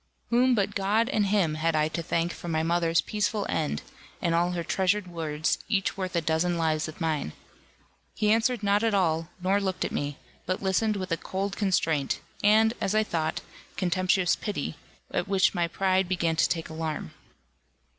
Whom but God and him had I to thank for my mother's peaceful end, and all her treasured words, each worth a dozen lives of mine? He answered not at all, nor looked at me; but listened with a cold constraint, and, as I thought, contemptuous pity, at which my pride began to take alarm.